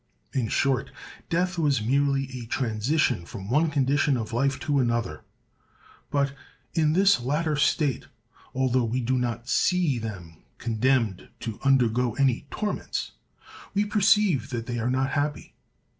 In short, death was merely a transition from one condition of life to another; but in this latter state, although we do not see them condemned to undergo any torments, we perceive that they are not happy.